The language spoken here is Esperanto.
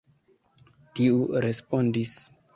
Tiu respondis.